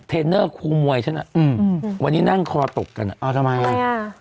เทรนเนอร์ครูมวยฉันอ่ะอืมอืมวันนี้นั่งคอตกกันอ่ะอ๋อทำไม